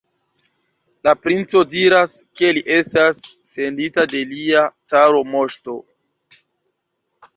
La princo diras, ke li estas sendita de lia cara moŝto!